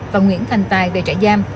và nguyễn thành tài về trại giam